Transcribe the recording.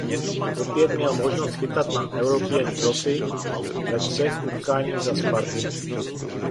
Opět měl možnost chytat na European Trophy ve třech utkáních za Spartu.